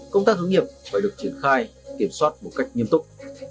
công tác hướng nghiệp phải được triển khai kiểm soát một cách nghiêm túc